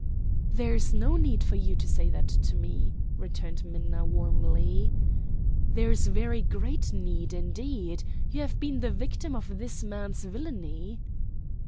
"There is no need for you to say that to me," returned Minna warmly. "There is very great need, indeed. You have been the victim of this man's villany."